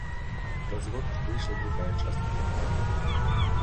Праз год выйшла другая частка трактата.